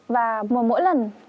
và mỗi lần